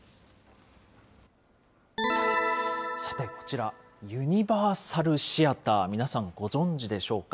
さてこちら、ユニバーサルシアター、皆さんご存じでしょうか。